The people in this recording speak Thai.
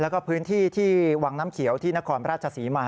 แล้วก็พื้นที่ที่วังน้ำเขียวที่นครราชศรีมา